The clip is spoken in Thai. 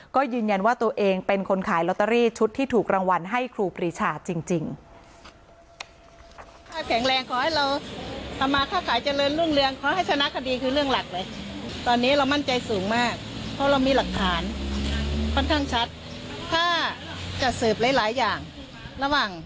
ก็ยืนยันว่าตัวเองเป็นคนขายลอตเตอรี่ชุดที่ถูกรางวัลให้ครูปรีชาจริง